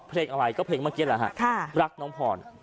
เพลงอะไรก็เพลงเมื่อกี้แหละฮะรักน้องพร